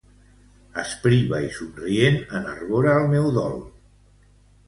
Aspriva i somrient enarbora el meu dol.